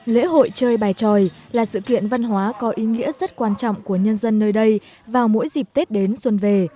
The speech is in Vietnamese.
lễ hội chơi bài tròi là sự kiện văn hóa có ý nghĩa rất quan trọng của nhân dân nơi đây vào mỗi dịp tết đến xuân về